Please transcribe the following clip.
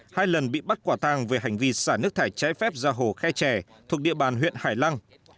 hai lần bị bắt quả tang về hành vi xả nước thải trái phép ra hồ khe trè thuộc địa bàn huyện hải lăng